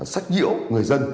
sách nhiễu người dân